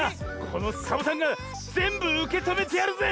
このサボさんがぜんぶうけとめてやるぜ。